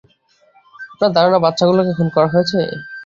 আপনার ধারণা বাচ্চাগুলোকে খুন করা হয়েছে?